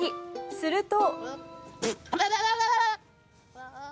すると。